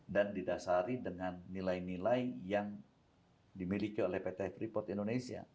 dan didasari dengan nilai nilai yang dimiliki oleh pt free port indonesia